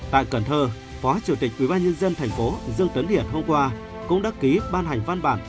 tại cần thơ phó chủ tịch ubnd tp dương tấn hiển hôm qua cũng đắc ký ban hành văn bản